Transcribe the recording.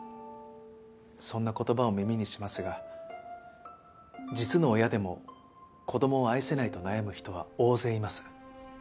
そんな言葉を耳にしますが実の親でも子どもを愛せないと悩む人は大勢います。